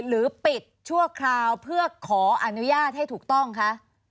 หรือปิดชั่วคราวเพื่อขออนุญาตให้ถูกต้องคะ